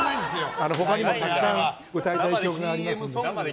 他にもたくさん歌いたい曲がありますので。